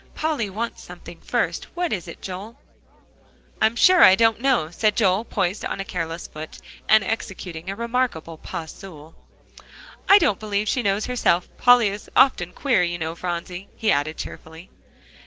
"Polly wants something, first; what is it, Joel?" "I'm sure I don't know," said Joel, poised on a careless foot, and executing a remarkable pas seul. "I don't believe she knows herself. Polly is often queer, you know, Phronsie," he added cheerfully.